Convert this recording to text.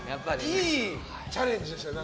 いいチャレンジでしたね。